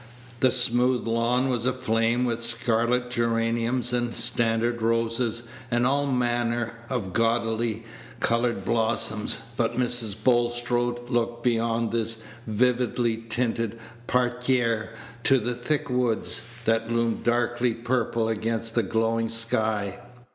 The smooth lawn was aflame with scarlet geraniums and standard roses, and all manner of gaudily colored blossoms; but Mrs. Bulstrode looked beyond this vividly tinted parterre to the thick woods, that loomed darkly purple against the glowing sky.